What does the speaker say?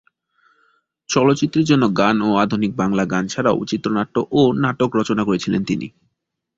চলচ্চিত্রের জন্য গান ও আধুনিক বাংলা গান ছাড়াও চিত্রনাট্য ও নাটক রচনা করেছেন তিনি।